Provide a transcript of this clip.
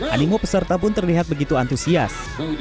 animo peserta pun terlihat begitu antusias